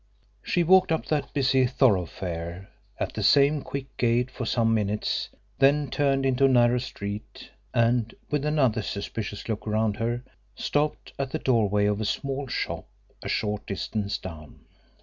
She walked up that busy thoroughfare at the same quick gait for some minutes, then turned into a narrow street and, with another suspicious look around her, stopped at the doorway of a small shop a short distance down.